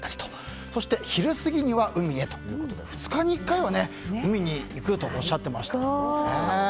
そして昼過ぎには海へということで２日に１回は海に行くとおっしゃっていましたね。